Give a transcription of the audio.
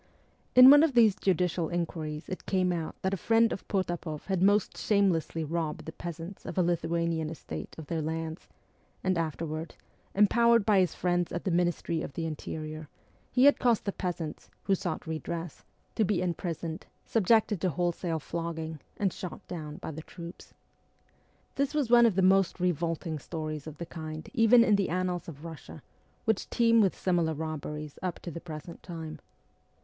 In one of these judicial inquiries it came out that a friend of Potapoff had most shamelessly robbed the peasants of a Lithuanian estate of their lands, and afterward, empowered by his friends at the Ministry of the In terior, he had caused the peasants, who sought redress, 26 . MEMOIRS OF A REVOLUTIONIST to be imprisoned, subjected to wholesale flogging, and shot down by the troops. This was one of the most revolting stories of the kind even in the annals of Russia, which teem with similar robberies up to the present time.